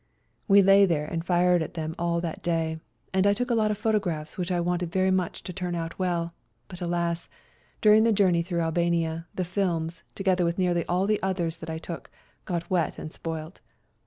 We lay there and fired at them all that day, and I took a lot of photographs which I wanted very much to turn out well; but, alas! duringthe journey through Albania the films, together with nearly all the others that I took, got wet and spoilt.